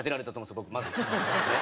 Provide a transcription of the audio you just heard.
僕、まず。